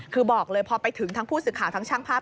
คือบอกเลยพอไปถึงทั้งผู้สื่อข่าวทั้งช่างภาพ